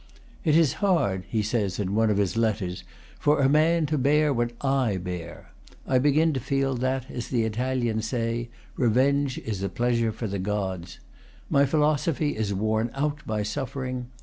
"It is hard," he says in one of his letters, "for man to bear what I bear. I begin to feel that, as the Italians say, revenge is a pleasure for the gods. My philosophy is worn out by suffering.